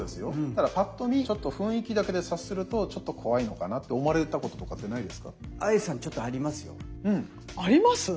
ただパッと見雰囲気だけで察するとちょっと怖いのかなって思われたこととかってないですか？